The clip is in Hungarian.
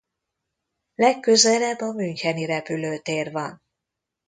Legközelebb a Müncheni repülőtér van.